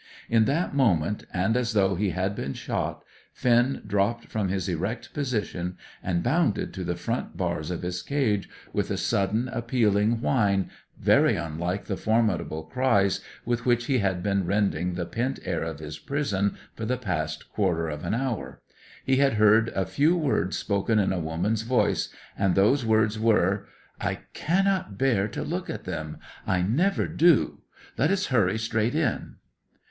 In that moment, and as though he had been shot, Finn dropped from his erect position, and bounded to the front bars of his cage, with a sudden, appealing whine, very unlike the formidable cries with which he had been rending the pent air of his prison for the last quarter of an hour. He had heard a few words spoken in a woman's voice, and those words were: "I cannot bear to look at them; I never do. Let us hurry straight in."